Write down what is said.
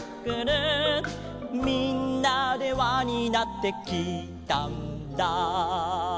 「みんなでわになってきいたんだ」